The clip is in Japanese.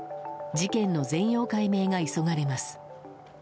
事件の全容解明が急がれます。